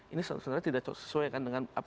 ini sebenarnya tidak sesuai kan dengan